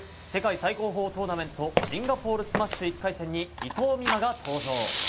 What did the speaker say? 世界最高峰トーナメントシンガポールスマッシュ１回戦に伊藤美誠が登場。